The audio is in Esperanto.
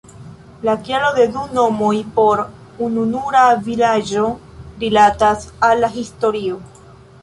La kialo de du nomoj por ununura vilaĝo rilatas al la historio.